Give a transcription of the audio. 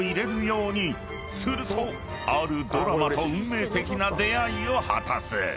［するとあるドラマと運命的な出会いを果たす］